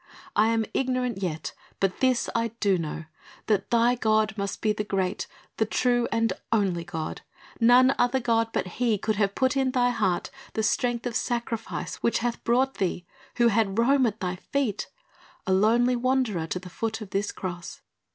I am ignorant yet but this I do know, that thy God must be the great, the true and only God. None other God but He could have put in thy heart the strength of sacrifice which hath brought thee who had Rome at thy feet a lonely wanderer to the foot of this Cross."